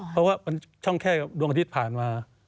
เพราะว่าช่องแค่วันอาทิตย์ผ่านมา